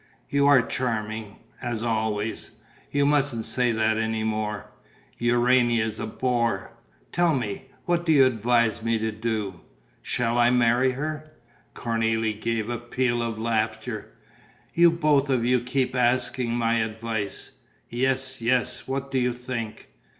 "You are charming ... as always." "You mustn't say that any more." "Urania's a bore.... Tell me, what do you advise me to do? Shall I marry her?" Cornélie gave a peal of laughter: "You both of you keep asking my advice!" "Yes, yes, what do you think?"